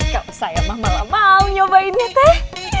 gak usah ya mama malah mau nyobainnya teh